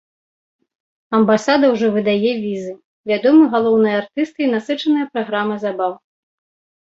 Амбасада ўжо выдае візы, вядомы галоўныя артысты і насычаная праграма забаў.